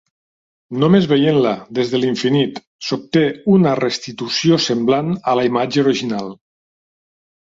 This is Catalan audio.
Només veient-la des de l'infinit, s'obté una restitució semblant a la imatge original.